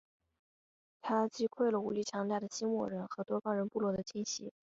他击溃了武力强大的莫西人和多冈人部落的侵袭。